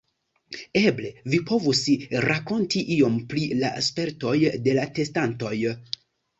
Eble vi povus rakonti iom pri la spertoj de la testantoj?